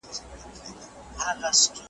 که مرغه وو که ماهی د ده په کار وو .